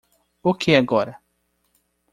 O que agora?